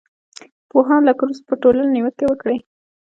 پوهان لکه روسو پر ټولنې نیوکې وکړې.